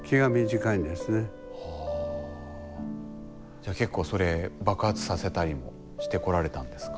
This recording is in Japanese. じゃ結構それ爆発させたりもしてこられたんですか。